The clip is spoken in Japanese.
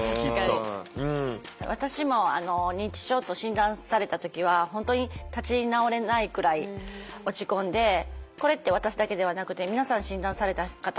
私も認知症と診断された時は本当に立ち直れないくらい落ち込んでこれって私だけではなくて皆さん診断された方はあると思うんです。